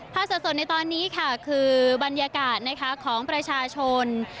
สดในตอนนี้ค่ะคือบรรยากาศของประชาชน